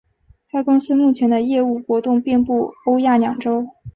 该公司目前的业务活动遍布欧亚两洲。